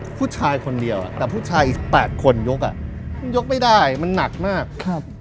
ผู้ชายคนเดียวอ่ะแต่ผู้ชายอีกแปดคนยกอ่ะมันยกไม่ได้มันหนักมากครับ